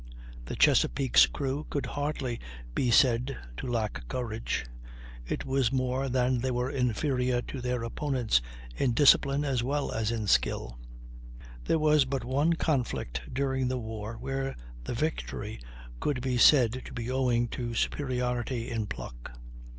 The Chesapeake's crew could hardly be said to lack courage; it was more that they were inferior to their opponents in discipline as well as in skill. There was but one conflict during the war where the victory could be said to be owing to superiority in pluck.